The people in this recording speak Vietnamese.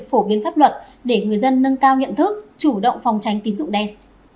phổ biến pháp luật để người dân nâng cao nhận thức chủ động phòng tránh tín dụng đen